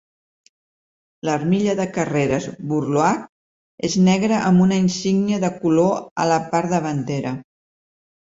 L'armilla de carreres Burloak és negra amb una insígnia de color a la part davantera.